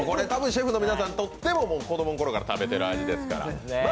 多分、シェフの皆さんにとっても子供のころから食べてるでしょうからね。